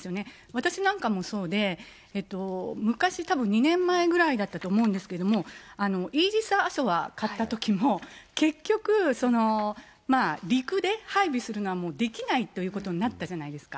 私なんかもそうで、昔、たぶん２年前ぐらいだったと思うんですけれども、イージス・アショア買ったときも、結局、陸で配備するのはもうできないということになったじゃないですか。